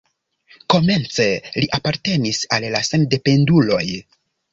Komence li apartenis al la sendependuloj.